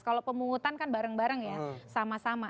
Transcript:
kalau pemungutan kan bareng bareng ya sama sama